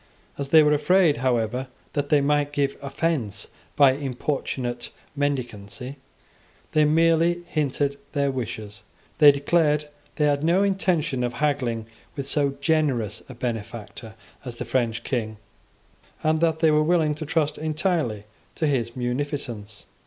As they were afraid, however, that they might give offence by importunate mendicancy, they merely hinted their wishes. They declared that they had no intention of haggling with so generous a benefactor as the French King, and that they were willing to trust entirely to his munificence.